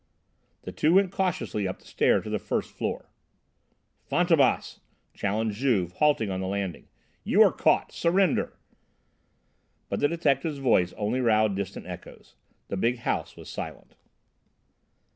The two went cautiously up the stairs to the first floor. "Fantômas!" challenged Juve, halting on the landing, "you are caught; surrender!" But the detective's voice only roused distant echoes; the big house was silent.